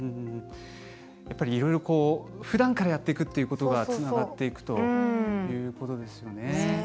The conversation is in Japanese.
いろいろ、ふだんからやっていくということがつながっていくということですね。